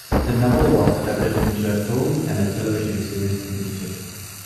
The novel was adapted into a film and a television series in Egypt.